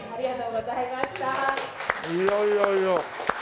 いやいやいや。